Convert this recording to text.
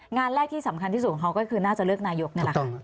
งานแรกที่สำคัญที่สุดของเขาก็คือน่าจะเลือกนายกนี่แหละค่ะ